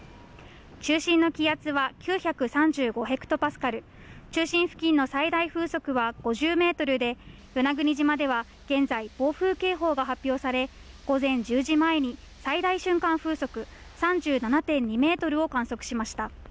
中心の気圧は９３５ｈＰａ、中心付近の最大風速は５０メートルで、与那国島では現在、暴風警報が発表され、午前１０時前に最大瞬間風速３０．２ｍを観測しました。